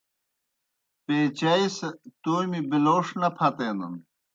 پیچائے سہ تومیْ بِلَوݜ نہ پھتینَن۔